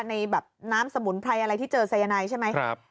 ในแบบน้ำสมุนไพรอะไรที่เจอสายนายใช่ไหม